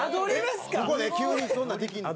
ここで急にそんなのできるの？